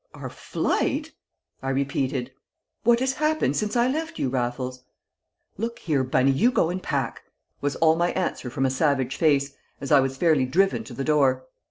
"Our flight!" I repeated. "What has happened since I left you, Raffles?" "Look here, Bunny, you go and pack!" was all my answer from a savage face, as I was fairly driven to the door.